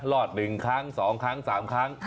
รอดหนึ่งครั้งสองครั้งสามครั้ง